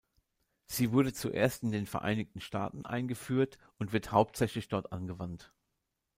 Sie wurde zuerst in den Vereinigten Staaten eingeführt und wird hauptsächlich dort angewandt.